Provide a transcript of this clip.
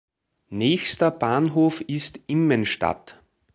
Nächster Bahnhof ist Immenstadt.